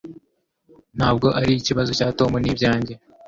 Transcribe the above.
Ntabwo ari ikibazo cya Tom. Ni ibyanjye.